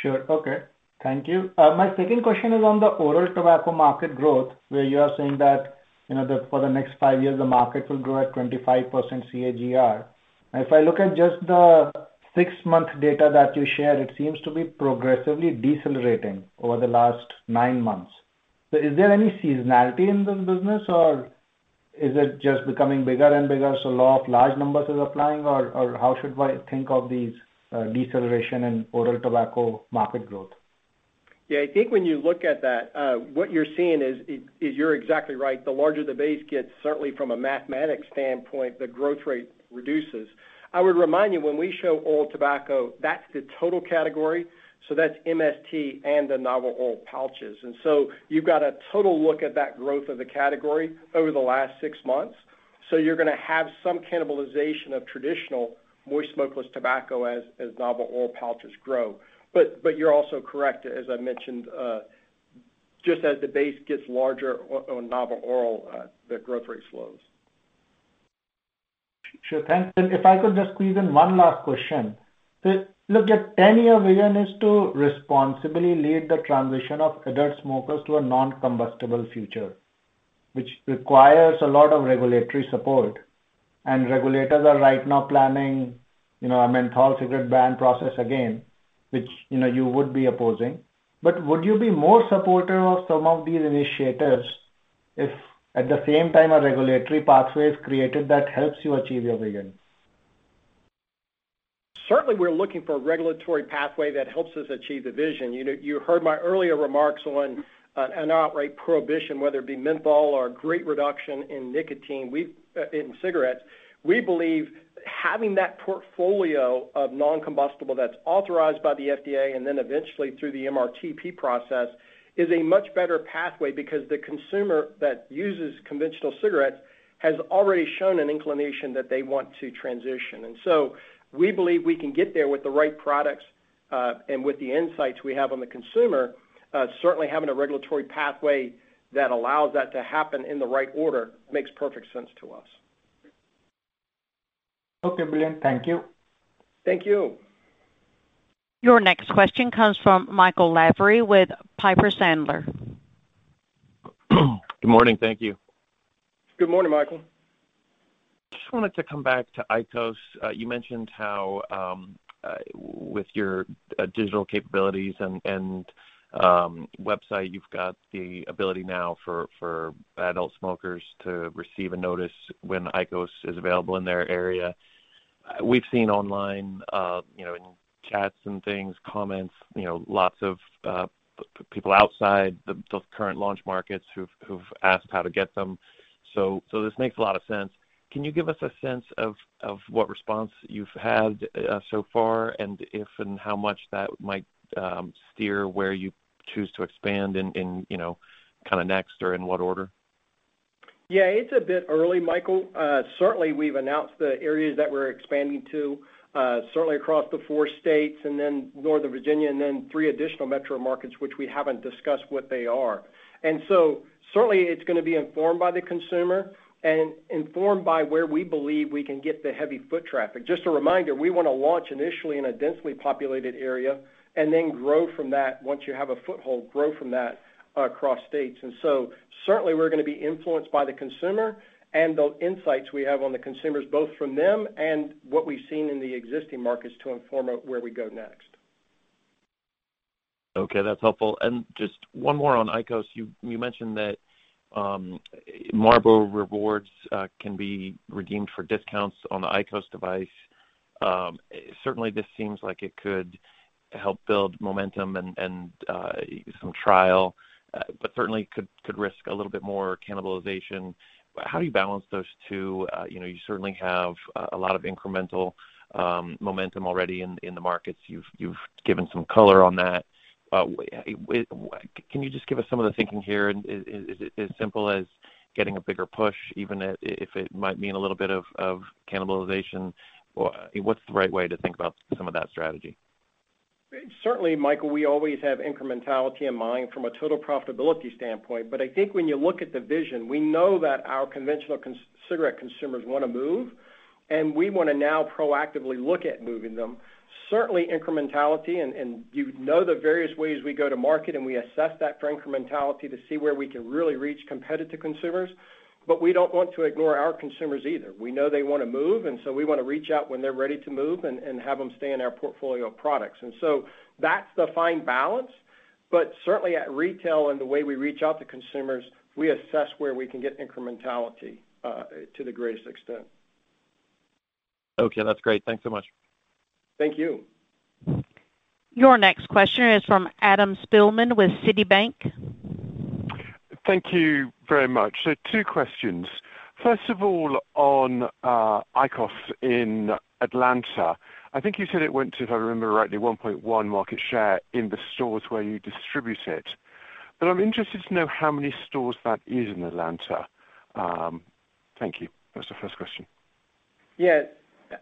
Sure. Okay. Thank you. My second question is on the oral tobacco market growth, where you are saying that for the next five years, the market will grow at 25% CAGR. If I look at just the six-month data that you shared, it seems to be progressively decelerating over the last nine months. Is there any seasonality in this business, or is it just becoming bigger and bigger, so law of large numbers is applying, or how should one think of these deceleration in oral tobacco market growth? Yeah, I think when you look at that, what you're seeing is, you're exactly right. The larger the base gets, certainly from a mathematics standpoint, the growth rate reduces. I would remind you, when we show oral tobacco, that's the total category. That's MST and the novel oral pouches. You've got a total look at that growth of the category over the last six months. You're going to have some cannibalization of traditional moist smokeless tobacco as novel oral pouches grow. You're also correct, as I mentioned, just as the base gets larger on novel oral, the growth rate slows. Sure. Thanks. If I could just squeeze in one last question. Look, your 10-year vision is to responsibly lead the transition of adult smokers to a non-combustible future, which requires a lot of regulatory support. Regulators are right now planning a menthol cigarette ban process again, which you would be opposing. Would you be more supportive of some of these initiatives if, at the same time, a regulatory pathway is created that helps you achieve your vision? Certainly, we're looking for a regulatory pathway that helps us achieve the vision. You heard my earlier remarks on an outright prohibition, whether it be menthol or a great reduction in nicotine in cigarettes. We believe having that portfolio of non-combustible that's authorized by the FDA and then eventually through the MRTP process is a much better pathway because the consumer that uses conventional cigarettes has already shown an inclination that they want to transition. We believe we can get there with the right products, and with the insights we have on the consumer. Certainly, having a regulatory pathway that allows that to happen in the right order makes perfect sense to us. Okay, brilliant. Thank you. Thank you. Your next question comes from Michael Lavery with Piper Sandler. Good morning. Thank you. Good morning, Michael. Just wanted to come back to IQOS. You mentioned how, with your digital capabilities and website, you've got the ability now for adult smokers to receive a notice when IQOS is available in their area. We've seen online, in chats and things, comments, lots of people outside those current launch markets who've asked how to get them. This makes a lot of sense. Can you give us a sense of what response you've had so far, and if and how much that might steer where you choose to expand and next, or in what order? Yeah, it's a bit early, Michael. We've announced the areas that we're expanding to. Across the four states and then northern Virginia and then three additional metro markets, which we haven't discussed what they are. Certainly it's going to be informed by the consumer and informed by where we believe we can get the heavy foot traffic. Just a reminder, we want to launch initially in a densely populated area and then grow from that once you have a foothold, grow from that across states. Certainly we're going to be influenced by the consumer and the insights we have on the consumers, both from them and what we've seen in the existing markets to inform where we go next. Okay, that's helpful. Just one more on IQOS. You mentioned that Marlboro Rewards can be redeemed for discounts on the IQOS device. Certainly, this seems like it could help build momentum and some trial, but certainly could risk a little bit more cannibalization. How do you balance those two? You certainly have a lot of incremental momentum already in the markets. You've given some color on that. Can you just give us some of the thinking here? Is it as simple as getting a bigger push, even if it might mean a little bit of cannibalization? What's the right way to think about some of that strategy? Certainly, Michael, we always have incrementality in mind from a total profitability standpoint. I think when you look at the vision, we know that our conventional cigarette consumers want to move, and we want to now proactively look at moving them. Certainly, incrementality, and you know the various ways we go to market, and we assess that for incrementality to see where we can really reach competitor consumers. We don't want to ignore our consumers either. We know they want to move, and so we want to reach out when they're ready to move and have them stay in our portfolio of products. That's the fine balance. Certainly at retail and the way we reach out to consumers, we assess where we can get incrementality, to the greatest extent. Okay. That's great. Thanks so much. Thank you. Your next question is from Adam Spielman with Citibank. Thank you very much. Two questions. First of all, on IQOS in Atlanta, I think you said it went to, if I remember rightly, 1.1 market share in the stores where you distribute it. I'm interested to know how many stores that is in Atlanta. Thank you. That's the first question.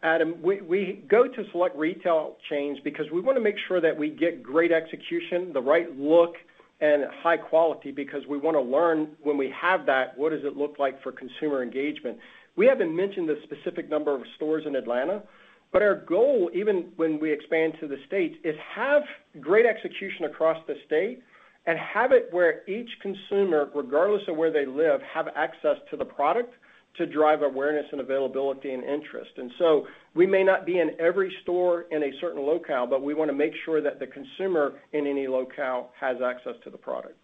Adam, we go to select retail chains because we want to make sure that we get great execution, the right look, and high quality because we want to learn when we have that, what does it look like for consumer engagement? We haven't mentioned the specific number of stores in Atlanta, but our goal, even when we expand to the States, is have great execution across the state and have it where each consumer, regardless of where they live, have access to the product to drive awareness and availability and interest. We may not be in every store in a certain locale, but we want to make sure that the consumer in any locale has access to the product.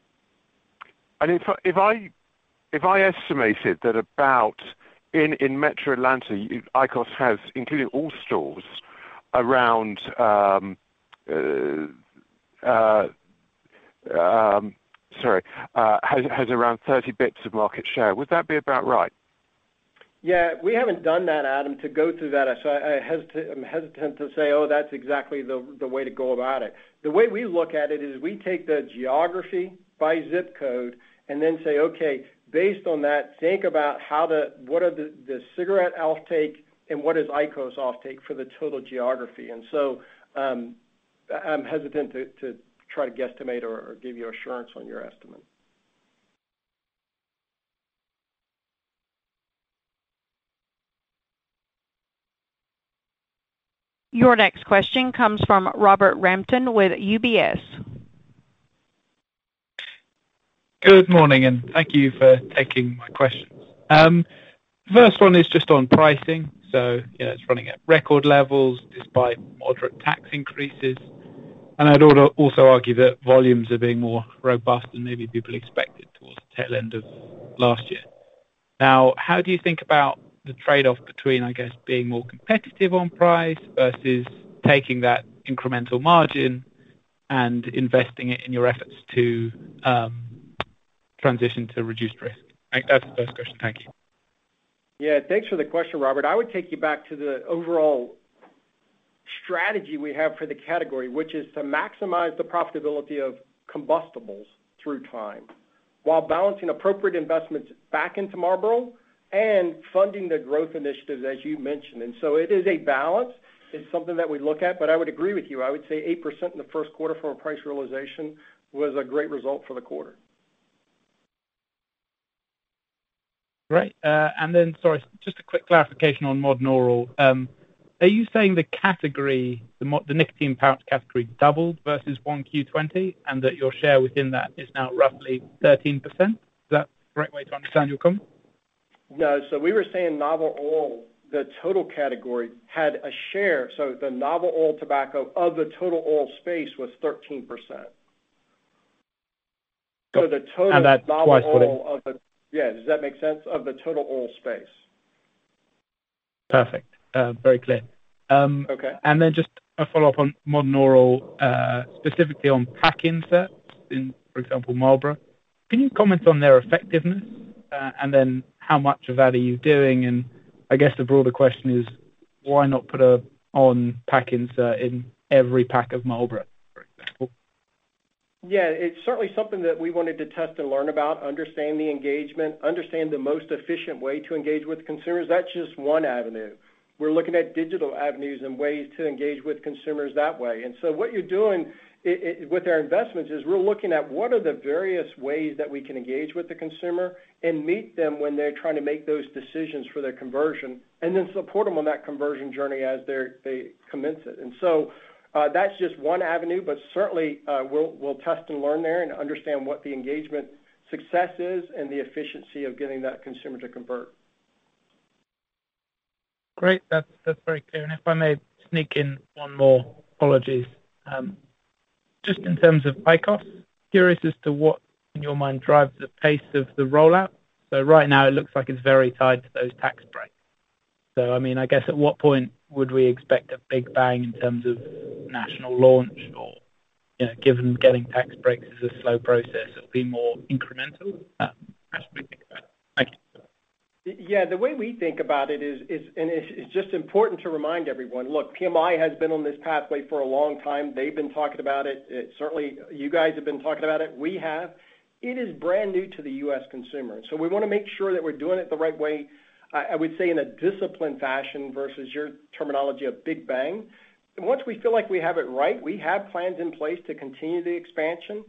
If I estimated that about in Metro Atlanta, IQOS has, including all stores, sorry, has around 30 basis points of market share, would that be about right? Yeah, we haven't done that, Adam, to go through that. I'm hesitant to say, oh, that's exactly the way to go about it. The way we look at it is we take the geography by zip code and then say, okay, based on that, think about what are the cigarette offtake and what is IQOS offtake for the total geography. I'm hesitant to try to guesstimate or give you assurance on your estimate. Your next question comes from Robert Rampton with UBS. Good morning, and thank you for taking my questions. First one is just on pricing. It's running at record levels despite moderate tax increases, and I'd also argue that volumes are being more robust than maybe people expected towards the tail end of last year. How do you think about the trade-off between, I guess, being more competitive on price versus taking that incremental margin and investing it in your efforts to transition to reduced risk? That's the first question. Thank you. Yeah. Thanks for the question, Robert. I would take you back to the overall strategy we have for the category, which is to maximize the profitability of combustibles through time while balancing appropriate investments back into Marlboro and funding the growth initiatives, as you mentioned. It is a balance. It's something that we look at, but I would agree with you. I would say 8% in the first quarter for a price realization was a great result for the quarter. Great. Sorry, just a quick clarification on modern oral. Are you saying the category, the nicotine pouch category doubled versus 1Q 2020 and that your share within that is now roughly 13%? Is that the right way to understand your comment? No. We were saying novel oral, the total category had a share. The novel oral tobacco of the total oral space was 13%. Got it. The total novel oral. Does that make sense? Of the total oral space. Perfect. Very clear. Okay. Just a follow-up on mod oral, specifically on pack inserts in, for example, Marlboro. Can you comment on their effectiveness? How much of that are you doing, and I guess the broader question is why not put an on! pack insert in every pack of Marlboro, for example? Yeah. It's certainly something that we wanted to test and learn about, understand the engagement, understand the most efficient way to engage with consumers. That's just one avenue. We're looking at digital avenues and ways to engage with consumers that way. What you're doing with our investments is we're looking at what are the various ways that we can engage with the consumer and meet them when they're trying to make those decisions for their conversion, and then support them on that conversion journey as they commence it. That's just one avenue, but certainly, we'll test and learn there and understand what the engagement success is and the efficiency of getting that consumer to convert. Great. That's very clear. If I may sneak in one more. Apologies. Just in terms of IQOS, curious as to what in your mind drives the pace of the rollout. Right now it looks like it's very tied to those tax breaks. I guess at what point would we expect a big bang in terms of national launch or, given getting tax breaks is a slow process, it'd be more incremental? How should we think about it? Thank you. Yeah. The way we think about it is, it's just important to remind everyone, look, PMI has been on this pathway for a long time. They've been talking about it. Certainly, you guys have been talking about it. We have. It is brand new to the U.S. consumer. We want to make sure that we're doing it the right way, I would say in a disciplined fashion versus your terminology of big bang. Once we feel like we have it right, we have plans in place to continue the expansion.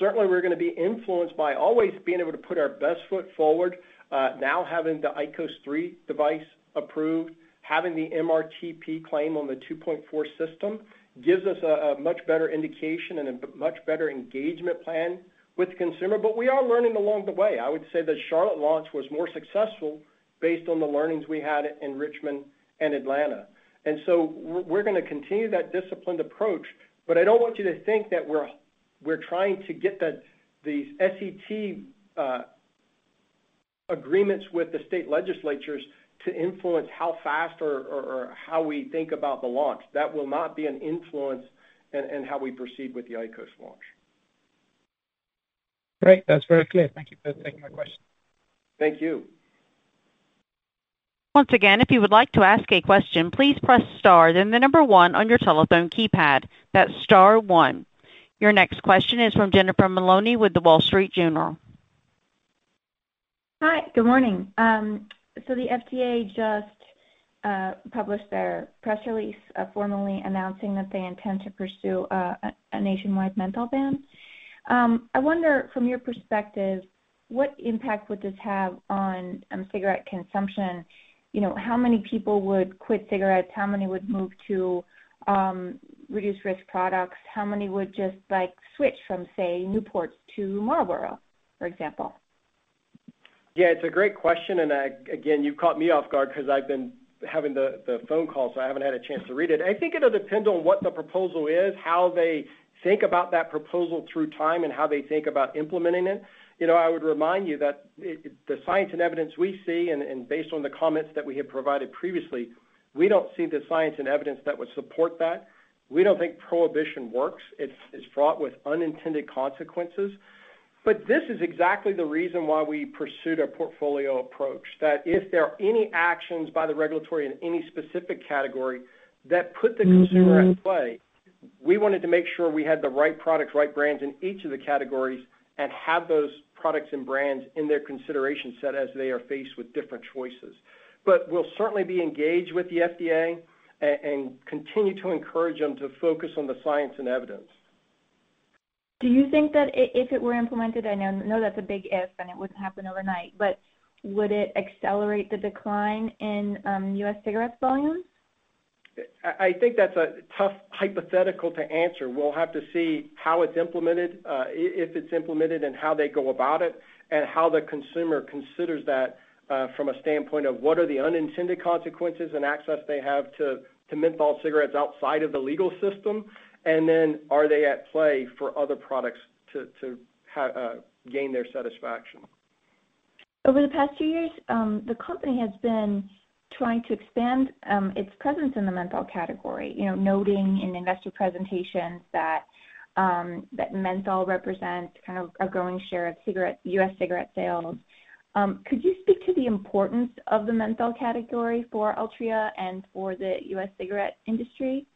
Certainly, we're going to be influenced by always being able to put our best foot forward. Now having the IQOS 3 device approved, having the MRTP claim on the 2.4 system gives us a much better indication and a much better engagement plan with the consumer. We are learning along the way. I would say the Charlotte launch was more successful based on the learnings we had in Richmond and Atlanta. We're going to continue that disciplined approach. I don't want you to think that we're trying to get these settlement agreements with the state legislatures to influence how fast or how we think about the launch. That will not be an influence in how we proceed with the IQOS launch. Great. That's very clear. Thank you for taking my question. Thank you. Once again, if you would like to ask a question, please press star then the number one on your telephone keypad. That's star one. Your next question is from Jennifer Maloney with The Wall Street Journal. Hi. Good morning. The FDA just published their press release, formally announcing that they intend to pursue a nationwide menthol ban. I wonder from your perspective, what impact would this have on cigarette consumption? How many people would quit cigarettes? How many would move to reduced-risk products? How many would just switch from, say, Newport to Marlboro, for example? It's a great question, and again, you've caught me off guard because I've been having the phone call, so I haven't had a chance to read it. I think it'll depend on what the proposal is, how they think about that proposal through time, and how they think about implementing it. I would remind you that the science and evidence we see, and based on the comments that we have provided previously, we don't see the science and evidence that would support that. We don't think prohibition works. It's fraught with unintended consequences. This is exactly the reason why we pursued a portfolio approach, that if there are any actions by the regulatory in any specific category that put the consumer at play, we wanted to make sure we had the right products, right brands in each of the categories and have those products and brands in their consideration set as they are faced with different choices. We'll certainly be engaged with the FDA, and continue to encourage them to focus on the science and evidence. Do you think that if it were implemented, I know that's a big "if" and it wouldn't happen overnight, but would it accelerate the decline in U.S. cigarettes volumes? I think that's a tough hypothetical to answer. We'll have to see how it's implemented, if it's implemented, and how they go about it, and how the consumer considers that from a standpoint of what are the unintended consequences and access they have to menthol cigarettes outside of the legal system, and then are they at play for other products to gain their satisfaction. Over the past two years, the company has been trying to expand its presence in the menthol category, noting in investor presentations that menthol represents a growing share of U.S. cigarette sales. Could you speak to the importance of the menthol category for Altria and for the U.S. cigarette industry?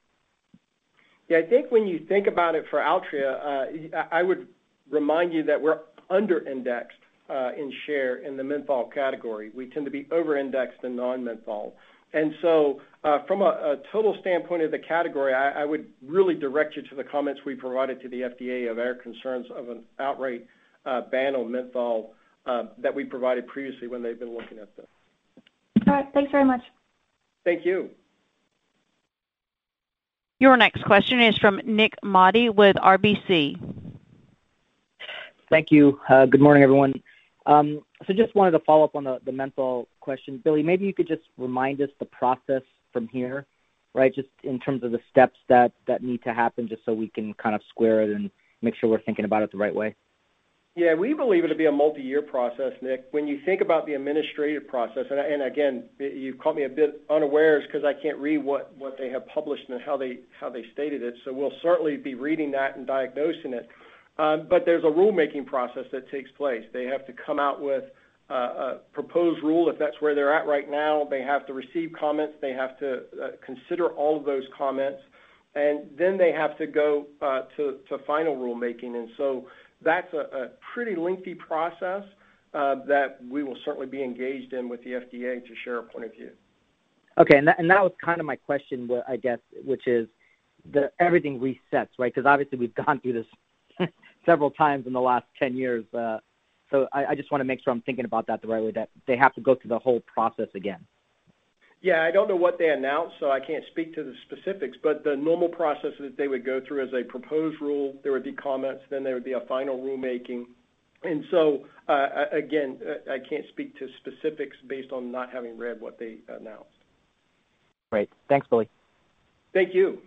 Yeah. I think when you think about it for Altria, I would remind you that we're under-indexed in share in the menthol category. We tend to be over-indexed in non-menthol. From a total standpoint of the category, I would really direct you to the comments we provided to the FDA of our concerns of an outright ban on menthol that we provided previously when they've been looking at this. All right. Thanks very much. Thank you. Your next question is from Nik Modi with RBC. Thank you. Good morning, everyone. Just wanted to follow up on the menthol question. Billy, maybe you could just remind us the process from here, right? Just in terms of the steps that need to happen just so we can square it and make sure we're thinking about it the right way. Yeah. We believe it'll be a multi-year process, Nik. When you think about the administrative process, and again, you've caught me a bit unawares because I can't read what they have published and how they stated it, so we'll certainly be reading that and diagnosing it. There's a rulemaking process that takes place. They have to come out with a proposed rule, if that's where they're at right now. They have to receive comments. They have to consider all of those comments, and then they have to go to final rulemaking. That's a pretty lengthy process that we will certainly be engaged in with the FDA to share a point of view. Okay. That was my question, I guess, which is, everything resets, right? Obviously, we've gone through this several times in the last 10 years. I just want to make sure I'm thinking about that the right way, that they have to go through the whole process again. Yeah, I don't know what they announced, so I can't speak to the specifics, but the normal process that they would go through is a proposed rule. There would be comments, then there would be a final rulemaking. Again, I can't speak to specifics based on not having read what they announced. Great. Thanks, Billy. Thank you.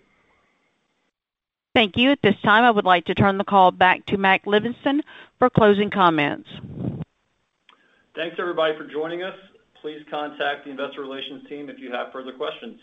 Thank you. At this time, I would like to turn the call back to Mac Livingston for closing comments. Thanks everybody for joining us. Please contact the investor relations team if you have further questions.